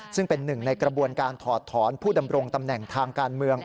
ซึ่งเป็นหนึ่งในกระบวนการถอดถอนผู้ดำรงตำแหน่งทางการเมือง